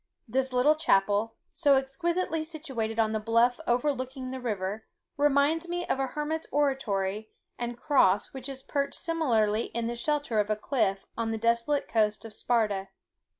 This little chapel, so exquisitely situated on the bluff overlooking the river, reminds me of a hermit's oratory and cross which is perched similarly in the shelter of a cliff on the desolate coast of Sparta.